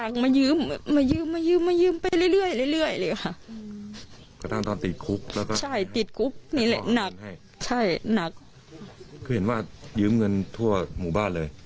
คือเห็นว่ายืมเงินทั่วหมู่บ้านเลย